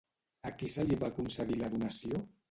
A qui se li va concedir la donació?